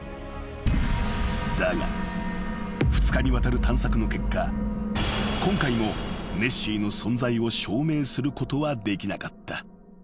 ［だが２日にわたる探索の結果今回もネッシーの存在を証明することはできなかった］